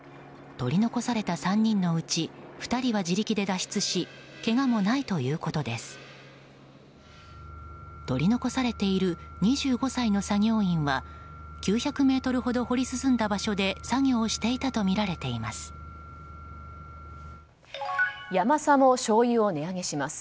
取り残されている２５歳の作業員は９００ｍほど掘り進んだ場所で作業していたとみられています。